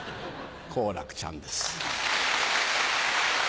好楽ちゃんです。